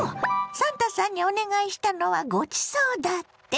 サンタさんにお願いしたのは「ごちそう」だって？